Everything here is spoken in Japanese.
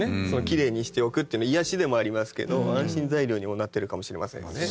きれいにしておくっていうのは癒やしでもありますけど安心材料にもなってるかもしれませんよね。